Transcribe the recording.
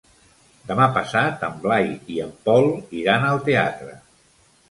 Demà passat en Blai i en Pol iran al teatre.